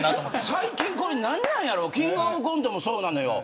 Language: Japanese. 最近なんやろうキングオブコントもそうなのよ。